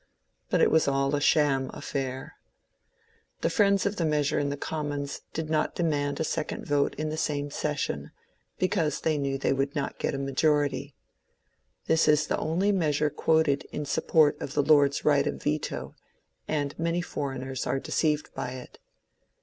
But it was all a sham affair. GLADSTONE AS ORATOR 81 The friends of the measure in the Commons did not demand a second vote in the same session, because they knew they would not get a majority. This is the only measure quoted in support of the Lords' right of veto, and many foreigners are deceived by it.